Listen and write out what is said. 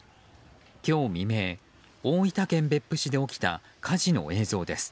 今日未明、大分県別府市で起きた火事の映像です。